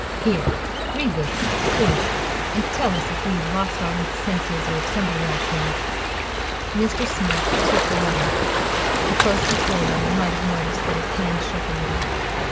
"Here, read this, please, and tell us if we have lost our senses—or if somebody else has." Mr. Smith took the letter. A close observer might have noticed that his hand shook a little.